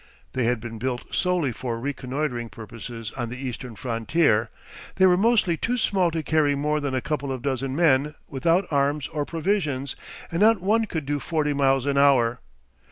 They had been built solely for reconnoitring purposes on the eastern frontier, they were mostly too small to carry more than a couple of dozen men without arms or provisions, and not one could do forty miles an hour.